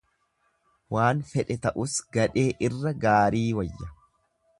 Waan fedhe ta'us gadhee irra gaarii wayya.